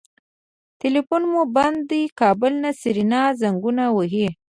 ټليفون مو بند دی کابل نه سېرېنا زنګونه وهي.